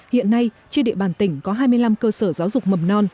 hiện nay trên địa bàn tỉnh có hai mươi năm cơ sở giáo dục mầm non